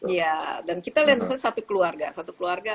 iya dan kita lihat misalnya satu keluarga